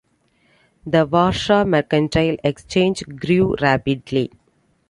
The Warsaw Mercantile Exchange grew rapidly.